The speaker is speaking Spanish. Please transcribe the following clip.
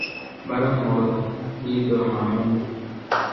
Barón Mordo y Dormammu.